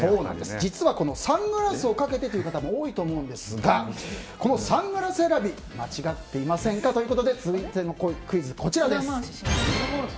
実はこのサングラスをかけてという方も多いと思うんですがこのサングラス選び間違っていませんかということで続いてのクイズです。